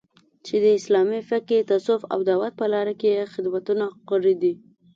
چې د اسلامي فقې، تصوف او دعوت په لاره کې یې خدمتونه کړي دي